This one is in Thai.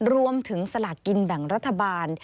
รวมถึงสลากินแบ่งรัฐบาล